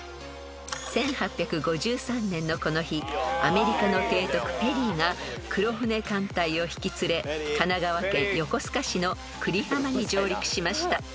［１８５３年のこの日アメリカの提督ペリーが黒船艦隊を引き連れ神奈川県横須賀市の久里浜に上陸しました］